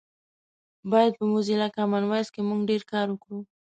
باید په موزیلا کامن وایس کې مونږ ډېر کار وکړو